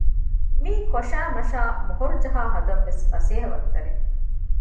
މީ ކޮށައި މަށައި މޮހޮރުޖަހާ ހަދަން ވެސް ފަސޭހަ ވައްތަރެއް